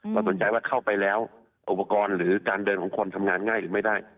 สนใจว่าเข้าไปแล้วอุปกรณ์หรือการเดินของคนทำงานง่ายหรือไม่ได้